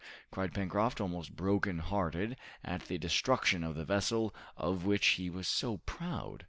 '" cried Pencroft, almost broken hearted at the destruction of the vessel of which he was so proud.